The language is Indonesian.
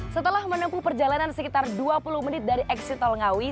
setelah menempuh perjalanan sekitar dua puluh menit dari eksitol ngawi